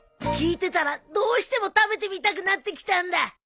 聞いてたらどうしても食べてみたくなってきたんだ！